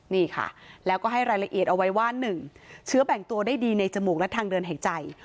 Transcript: นี่ค่ะแล้วก็ให้รายละเอียดเอาไว้ว่า๑เชื้อแบ่งตัวได้ดีในจมูกและทางเดินหายใจ